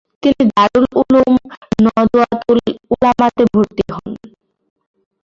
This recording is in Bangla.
তিনি দারুল উলূম নদওয়াতুল উলামাতে ভর্তি হন।